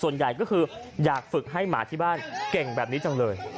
ส่วนใหญ่ก็คืออยากฝึกให้หมาที่บ้านเก่งแบบนี้จังเลย